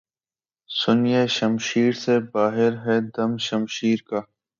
سینہٴ شمشیر سے باہر ہے دم شمشیر کا